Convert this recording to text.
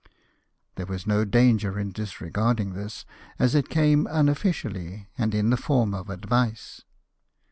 There was no danger in disregarding this, as it came unofficially, and in the form of advice.